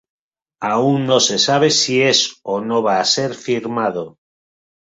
Aún no se sabe si es o no va a ser firmado.